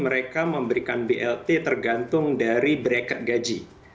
mereka memberikan blt tergantung dari bracket gaji